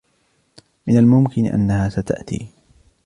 من الممكن أنها ستأتي.